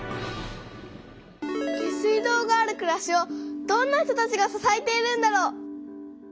下水道があるくらしをどんな人たちが支えているんだろう？